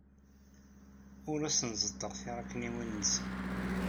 Ur asen-ẓeṭṭeɣ tiṛakniwin-nsen.